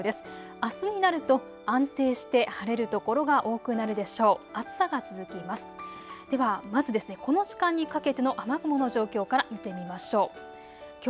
あすになると安定して晴れる所が多くなるでしょう。